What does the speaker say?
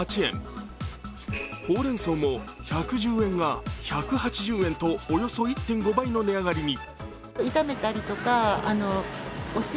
ほうれんそうも１１０円が１８０円とおよそ１．５倍の値上がりに。